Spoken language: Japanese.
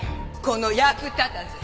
この役立たず！